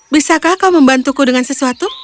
bisakah kau membantuku dengan sesuatu